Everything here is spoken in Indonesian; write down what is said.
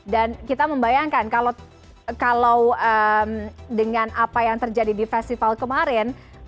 dan kita membayangkan kalau dengan apa yang terjadi di festival kemarin